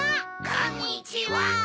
こんにちは。